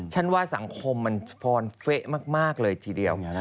ว่าสังคมมันฟอนเฟะมากเลยทีเดียว